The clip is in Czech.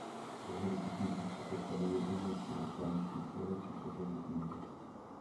Po jejich vypuknutí se postavil jednoznačně na stranu římského císaře Zikmunda.